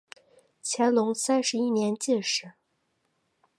乾隆三十一年进士。